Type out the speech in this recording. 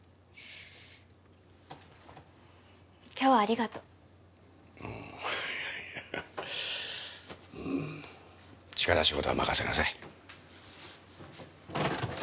今日はありがとううんいやいやうん力仕事は任せなさい